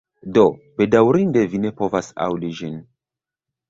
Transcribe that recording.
Do, bedaŭrinde vi ne povis aŭdi ĝin